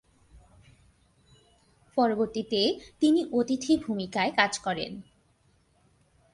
পরবর্তীতে তিনি অতিথি ভূমিকায় কাজ করেন।